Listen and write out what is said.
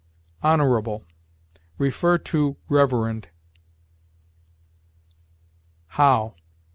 HONORABLE. See REVEREND. HOW.